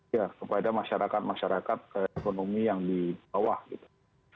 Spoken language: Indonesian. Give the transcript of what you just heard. ya kepada masyarakat masyarakat ekonomi yang di bawah gitu